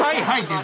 はい。